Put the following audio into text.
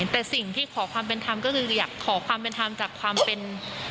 แต่สิ่งที่ขอความเป็นธรรมก็คืออยากขอความเป็นธรรมจากความเป็น